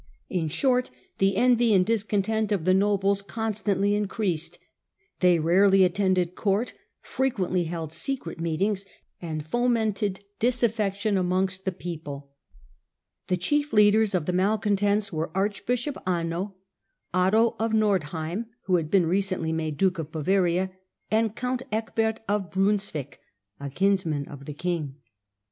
In short the envy and discontent of the nobles constantly increased. They rarely attended court, frequently held secret meetings, and fomented disafiection amongst the people. The chief leaders of the malcontents were archbishop Anno, Otto of Nordheim, who had been recently made duke of Bavaria, and count Ecbert of Brunswick, a kinsman of the king.